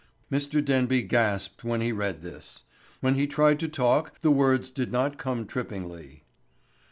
Mr. Denby gasped when he read this. When he tried to talk the words did not come trippingly....